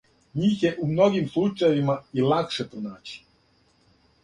Њих је у многим случајевима и лакше пронаћи.